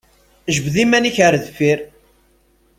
Jbed iman-ik ar deffir!